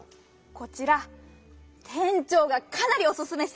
こちらてんちょうがかなりおすすめしてます。